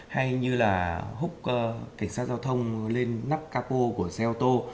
hay như là hút cảnh sát giao thông lên nắp capo của xe ô tô